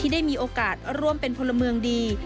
ได้มีโอกาสร่วมเป็นพลเมืองดี